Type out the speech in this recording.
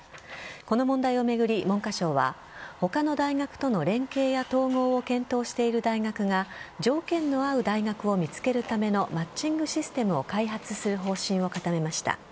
この問題を巡り、文科省は他の大学との連携や統合を検討している大学が条件の合う大学を見つけるためのマッチングシステムを開発する方針を固めました。